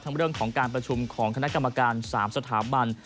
เรื่องของการประชุมของคณะกรรมการ๓สถาบัน